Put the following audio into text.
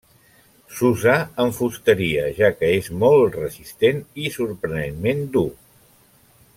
S'usa en fusteria, ja que és molt resistent i sorprenentment dur.